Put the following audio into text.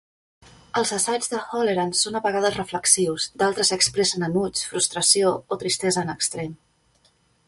Els assaigs de Holleran són a vegades reflexius, d"altres expressen enuig, frustració o tristesa en extrem.